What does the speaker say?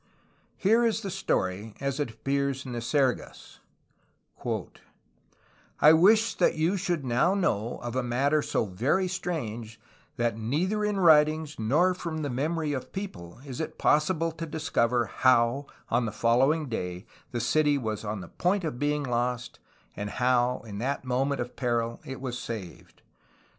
Here is the story as it appears in the Sergas: "I wish that you should now know of a matter so very strange that neither in writings nor from the memory of people is it possible to discover how on the following day the city was on the point of being lost and how in that moment of peril it was saved.